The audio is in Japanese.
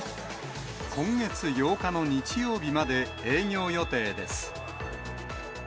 今月８日の日曜日まで営業予定です。